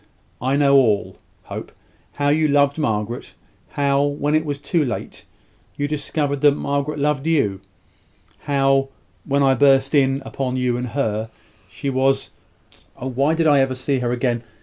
I know all, Hope; how you loved Margaret; how, when it was too late, you discovered that Margaret loved you; how, when I burst in upon you and her, she was (Oh, why did I ever see her again?)